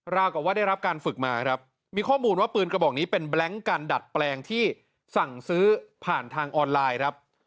กับว่าได้รับการฝึกมาครับมีข้อมูลว่าปืนกระบอกนี้เป็นแบล็งกันดัดแปลงที่สั่งซื้อผ่านทางออนไลน์ครับ